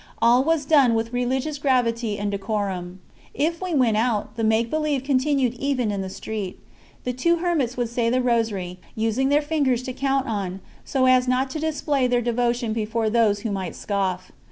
All was done with religious gravity and decorum. If we went out, the make believe continued even in the street; the two hermits would say the Rosary, using their fingers to count on, so as not to display their devotion before those who might scoff.